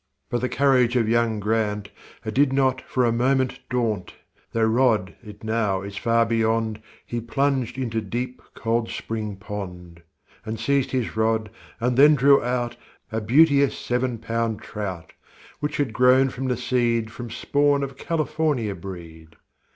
But the courage of young Grant, It did not for a moment daunt, Though rod it now is far beyond, He plunged into deep, cold spring pond. And seized his rod and then drew out A beauteous seven pound trout, Which had grown from the seed From spawn of California breed.